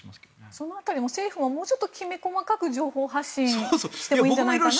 その辺り政府ももうちょっときめ細かく情報発信してもいいのではと思います。